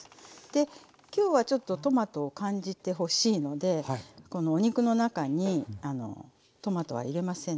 きょうはちょっとトマトを感じてほしいのでこのお肉の中にトマトは入れません